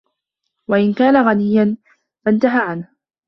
وَإِنْ كَانَ غَيًّا فَانْتَهِ عَنْهُ